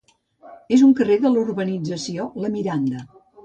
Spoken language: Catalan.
Es un carrer de la urbanització La Miranda